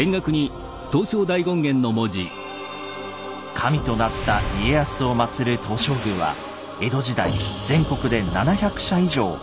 神となった家康をまつる東照宮は江戸時代全国で７００社以上建立されました。